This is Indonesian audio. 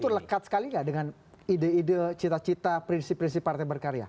dan itu lekat sekali gak dengan ide ide cita cita prinsip prinsip partai berkarya